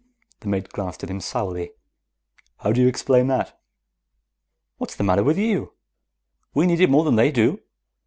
The mate glanced at him sourly. "How do you explain that?" "What's the matter with you? We need it more than they do."